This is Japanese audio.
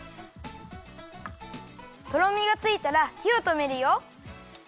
とろみがついたらひをとめるよ。